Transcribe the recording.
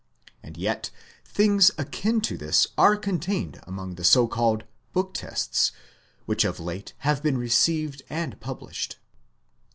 And yet things akin to this are contained among the so called "book tests" which of late have been received and published.